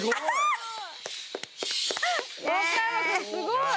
すごい。